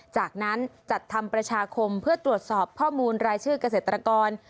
จากนั้นจัดทำประชาคมเพื่อตรวจสอบข้อมูลรายชื่อเกษตรกร